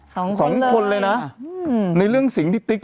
๒คนเลยนะในเรื่องสิงห์ที่ติ๊ก